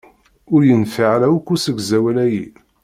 Ur yenfiɛ ara akk usegzawal-ayi.